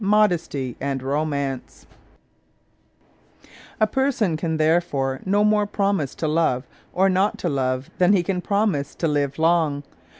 Modesty and Romance A person can therefore no more promise to love or not to love than he can promise to live long.